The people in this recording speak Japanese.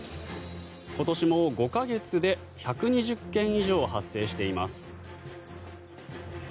今年も５か月で１２０件以上発生しています。